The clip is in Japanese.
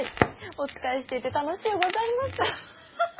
お仕えしていて楽しゅうございます。